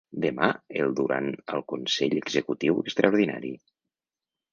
Demà el durant al consell executiu extraordinari.